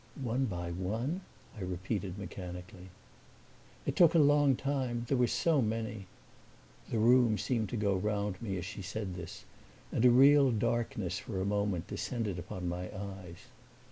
"One by one?" I repeated, mechanically. "It took a long time there were so many." The room seemed to go round me as she said this, and a real darkness for a moment descended upon my eyes.